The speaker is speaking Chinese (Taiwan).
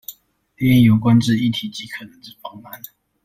列印有關之議題及可能之方案